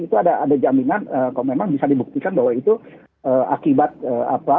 itu ada jaminan kalau memang bisa dibuktikan bahwa itu akibat apa